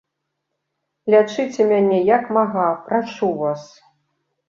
Лячыце мяне, як мага, прашу вас.